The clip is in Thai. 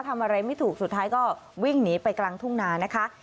ทำอะไรไม่ถูกสุดท้ายก็วิ่งหนีไปกลางทุ่งนานะคะ